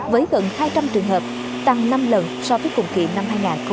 với gần hai trăm linh trường hợp tăng năm lần so với cùng kỳ năm hai nghìn một mươi tám